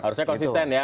harusnya konsisten ya